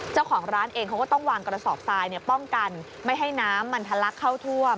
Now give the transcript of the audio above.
เจ้าของร้านเองเขาก็ต้องวางกระสอบทรายป้องกันไม่ให้น้ำมันทะลักเข้าท่วม